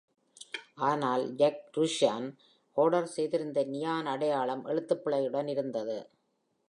ஆனால் Jack Rushin order செய்திருந்த neon அடையாளம் எழுத்துப்பிழையுடன் இருந்தது.